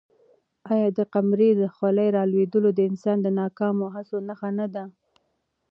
آیا د قمرۍ د خلي رالوېدل د انسان د ناکامو هڅو نښه نه ده؟